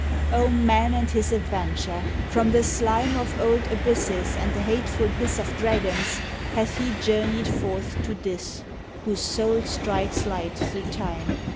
O man and his Adventure! From the slime Of old abysses and the hateful hiss Of dragons, hath he journeyed forth to this, Whose soul strikes light through Time.